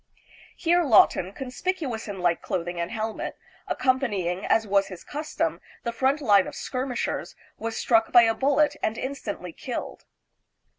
Here Lawton, con spicuous in light clothing and helmet, accompanying, as 308 THE PHILIPPINES. was his custom, the front line of skirmishers, was struck by a bullet and instantly killed.